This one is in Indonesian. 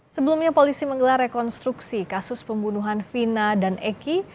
sebelumnya polisi menggelar rekonstruksi kasus pembunuhan vina dan eki